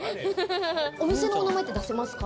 お店の名前って出せますか？